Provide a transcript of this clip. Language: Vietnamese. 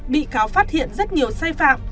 bị cáo phát hiện rất nhiều sai phạm